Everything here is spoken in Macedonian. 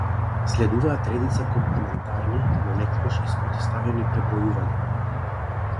Следуваат редица комплементарни, но некогаш и спротивставени пребројувања.